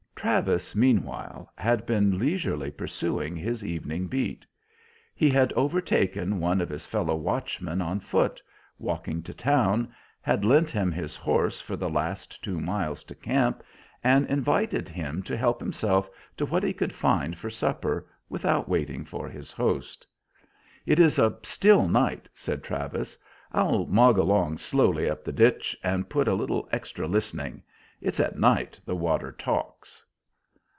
Travis, meanwhile, had been leisurely pursuing his evening beat. He had overtaken one of his fellow watchmen, on foot, walking to town, had lent him his horse for the last two miles to camp, and invited him to help himself to what he could find for supper, without waiting for his host. "It is a still night," said Travis; "I'll mog along slowly up the ditch, and put in a little extra listening: it's at night the water talks."